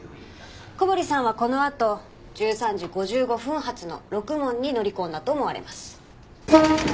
小堀さんはこのあと１３時５５分発のろくもんに乗り込んだと思われます。